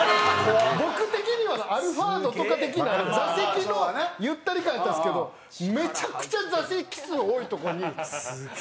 僕的にはアルファードとか的な座席のゆったり感やったんですけどめちゃくちゃ座席数多いとこに２人でぴっしり座って。